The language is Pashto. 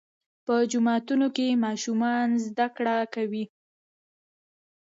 په جوماتونو کې ماشومان زده کړه کوي.